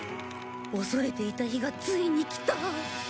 恐れていた日がついに来た。